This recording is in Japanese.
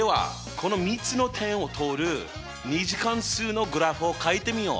この３つの点を通る２次関数のグラフをかいてみよう！